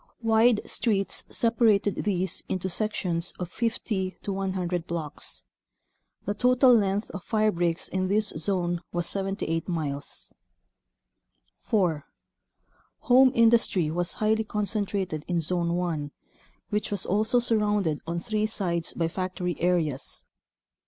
Wide streets separated these into sec tions of 50 to 100 blocks. The total length of firebreaks in this zone was 78 miles. 4. Home industry was highly concentrated in Zone 1 which was also surrounded on three sides by factory areas.